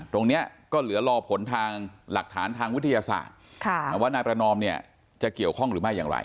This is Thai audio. ตรงนี้ก็เหลือรอผลทางหลักฐานทางวิทยาศาสตร์ว่านายประนอมเนี่ยจะเกี่ยวข้องหรือไม่อย่างไร